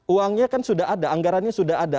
uangnya kan sudah ada anggarannya sudah ada